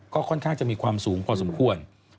ก็ค่อนข้างจะมีความสูงพอสมควร